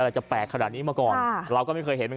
มันจะแรกใหม่มาก่อนเราก็ไม่เคยเห็นเลยนะ